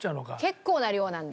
結構な量なので。